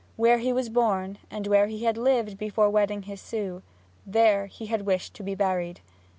Where he was born, and where he had lived before wedding his Sue, there he had wished to be buried.